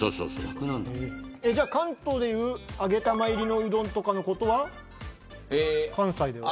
関東でいう揚げ玉入りのうどんとかのことは関西では。